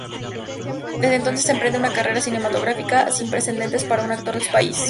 Desde entonces emprende una carrera cinematográfica sin precedentes para un actor de su país.